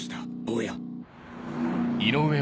坊や。